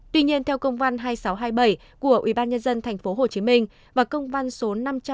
tuy nhiên theo công văn hai nghìn sáu trăm hai mươi bảy của ubnd tp hcm và công văn số năm trăm sáu mươi